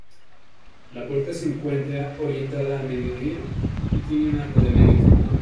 La puerta se encuentra orientada a mediodía, y tiene un arco de medio punto.